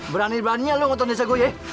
berani beraninya lo ngotong desa gue